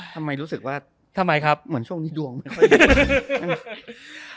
ทำไมรู้สึกว่าเหมือนช่วงนี้ดวงไม่ค่อยดี